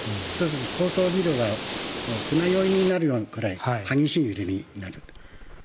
そうすると高層ビルが船酔いになるぐらい激しい揺れになる。